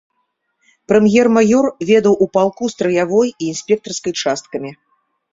Прэм'ер-маёр ведаў у палку страявой і інспектарскай часткамі.